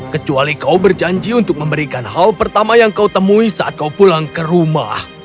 kecuali kau berjanji untuk memberikan hal pertama yang kau temui saat kau pulang ke rumah